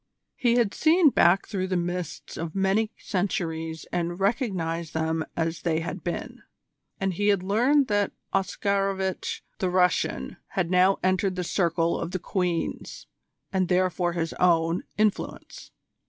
He had seen back through the mists of many centuries and recognised them as they had been, and he had learned that Oscarovitch the Russian had now entered the circle of the Queen's, and therefore his own, influence.